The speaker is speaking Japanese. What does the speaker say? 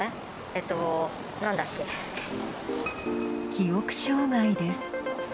記憶障害です。